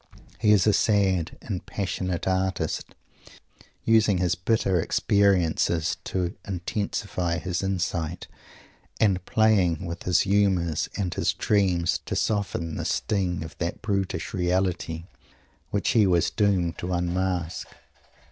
He is a sad and passionate artist, using his bitter experiences to intensify his insight, and playing with his humours and his dreams to soften the sting of that brutish reality which he was doomed to unmask.